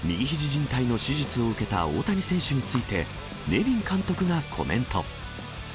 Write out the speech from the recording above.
じん帯の手術を受けた大谷選手について、ネビン監督がコメント。